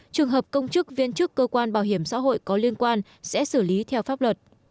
trường hợp công chức viên chức cơ quan bảo hiểm xã hội có liên quan sẽ xử lý theo pháp luật